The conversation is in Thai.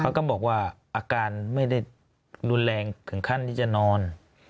ก็บอกว่าอาการไม่ได้รุนแรงถึงขั้นที่จะนอน